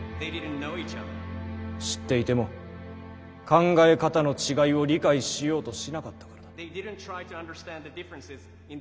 知っていても考え方の違いを理解しようとしなかったからだ。